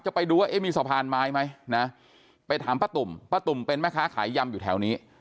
จะไปดูว่ามีสะพานไม้ไหมนะไปถามพระตุ่มพระตุ่มเป็นไหมคะขายยำอยู่แถวนี้